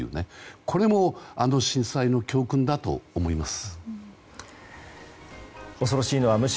これも震災の教訓だと思います。